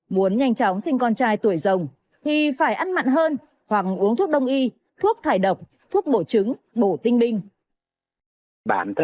muốn nhanh chóng sinh con trai tuổi rồng thì phải ăn mặn hơn hoặc uống thuốc đông y thuốc thải độc thuốc bổ trứng bổ tinh binh